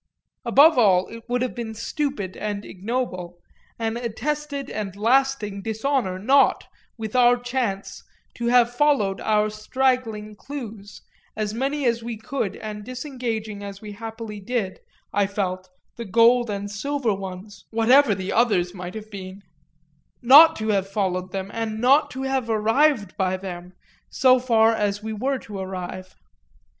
Above all it would have been stupid and ignoble, an attested and lasting dishonour, not, with our chance, to have followed our straggling clues, as many as we could and disengaging as we happily did, I felt, the gold and the silver ones, whatever the others might have been not to have followed them and not to have arrived by them, so far as we were to arrive.